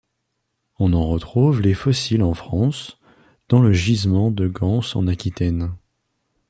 On en retrouve les fossiles en France, dans le gisement de Gans en Aquitaine.